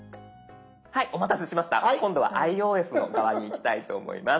はいお待たせしました今度はｉＯＳの側にいきたいと思います。